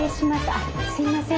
あっすいません